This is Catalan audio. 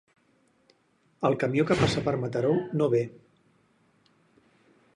El camió que passa per Mataró no ve.